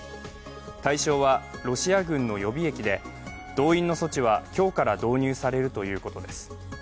対象はロシア軍の予備役で、動員の措置は今日から導入されるということです。